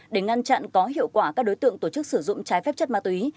để ngăn chặn có hiệu quả các đối tượng tổ chức sử dụng trái phép chất ma túy